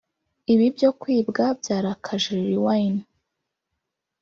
Ibi byo kwibwa byarakaje Lil Wayne